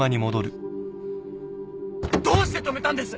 どうして止めたんです！？